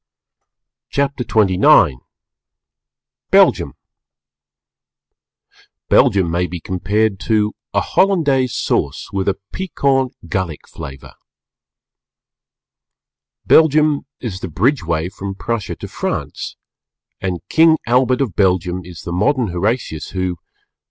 CHAPTER XXIX BELGIUM Belgium may be compared to a Hollandaise Sauce with a piquant Gallic flavour. Belgium is the Bridgeway from Prussia to France, and King Albert of Belgium is the modern Horatius who _"